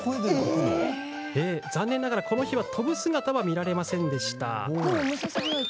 残念ながら、この日は飛ぶ姿は見られませんでした。